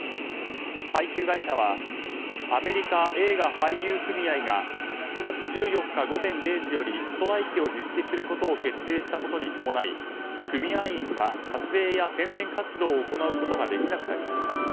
配給会社はアメリカ映画俳優組合が７月１４日午前０時よりストライキを実施することを決定したことに伴い組合員は撮影や宣伝活動を行うことができなくなりました。